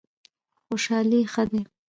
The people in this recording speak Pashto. خوشحالي ښه دی.